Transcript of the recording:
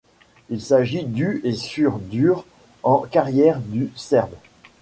Il s'agit du et sur dur en carrière du Serbe.